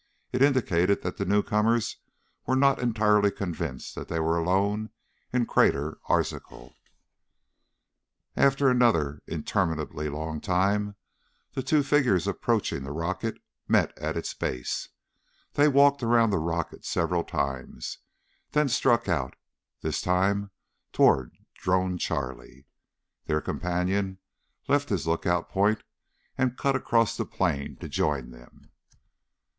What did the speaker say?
It indicated that the newcomers were not entirely convinced that they were alone in Crater Arzachel. After another interminably long time, the two figures approaching the rocket met at its base. They walked around the rocket several times, then struck out, this time toward Drone Charlie. Their companion left his lookout point and cut across the plain to join them.